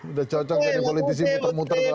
udah cocok jadi politisi muter muter